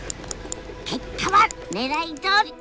結果はねらいどおり。